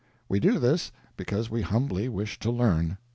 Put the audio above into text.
We do this because we humbly wish to learn."